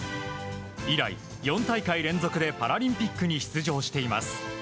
以来、４大会連続でパラリンピックに出場しています。